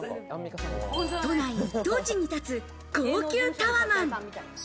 都内一等地に建つ高級タワマン。